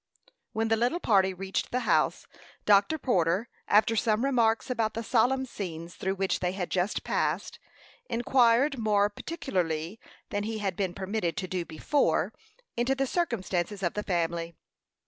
When the little party reached the house, Dr. Porter, after some remarks about the solemn scenes through which they had just passed, inquired more particularly than he had been permitted to do before into the circumstances of the family.